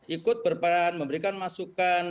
ikut berperan memberikan masukan